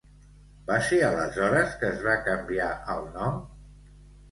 Va ser aleshores que es va canviar el nom?